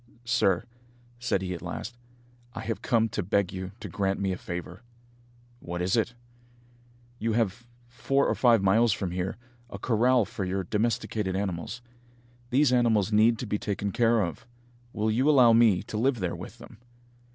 "Sir," said he at last, "I have come to beg you to grant me a favour." "What is it?" "You have, four or five miles from here, a corral for your domesticated animals. These animals need to be taken care of. Will you allow me to live there with them?"